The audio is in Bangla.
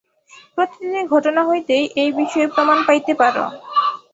প্রতিদিনের ঘটনা হইতেই এই বিষয়ের প্রমাণ পাইতে পার।